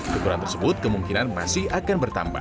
kekurang tersebut kemungkinan masih akan bertambah